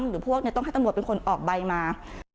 หรือพวกต้องให้ตำรวจเป็นคนออกใบมา